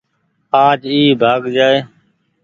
آج اي ڀآڳ جآئي ۔